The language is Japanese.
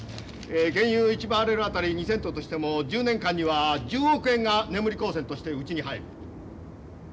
え原油１バーレル当たり２セントとしても１０年間には１０億円が眠り口銭としてうちに入る。